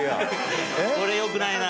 これよくないな。